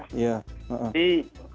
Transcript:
jadi kalau menurut saya